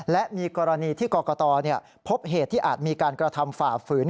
และมีกรณีที่กรกตพบเหตุที่อาจมีการกระทำฝ่าฝืน